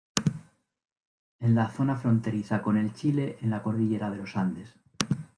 En la zona fronteriza con el Chile en la cordillera de los Andes.